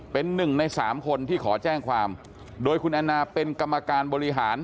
เป็นหนึ่งในสามคนที่ขอแจ้งความโดยคุณแอนนาเป็นกรรมการบริหาร